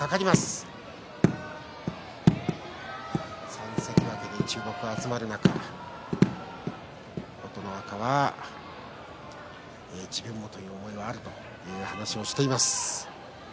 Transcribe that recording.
３関脇で注目が集まる中琴ノ若は自分もという思いはあるという話をしています。